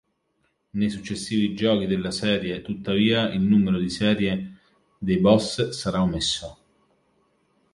Nei successivi giochi della serie tuttavia il numero di serie dei boss sarà omesso.